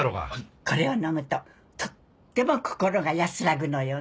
これを飲むととっても心が安らぐのよね。